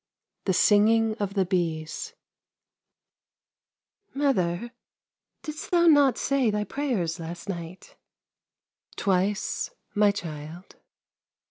THE SINGING OF THE BEES " A /r OTHER, didst thou not say thy prayers last iVl night?" " Twice, my child."